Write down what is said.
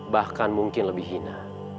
bahkan mungkin lebih hina